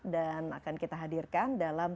dan akan kita hadirkan dalam